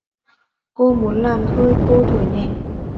Tôi muốn làn hơi cô thở nhẹ.